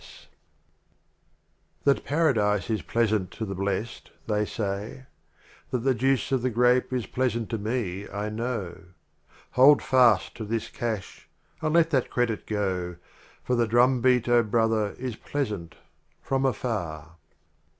The Literal That Paradise is pleasant to the Omar Blest, they say; That the Juice of the Grape is pleasant to me, I know; Hold fast to this Cash, and let that Credit go, For the Drumbeat, O Brother, is pleasant — from afar.